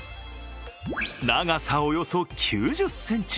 長さおよそ９０ｃｍ。